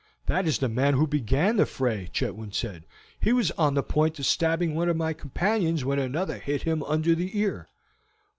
"That is the man who began the fray," Chetwynd said. "He was on the point of stabbing one of my companions when another hit him under the ear."